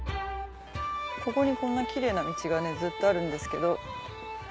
ここにこんなキレイな道がずっとあるんですけど。